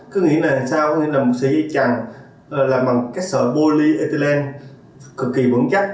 cứ nghĩ là sao nghĩ là một sợi dây chẳng làm bằng các sợi polyethylene cực kỳ vững chắc